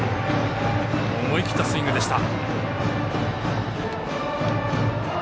思い切ったスイングでした。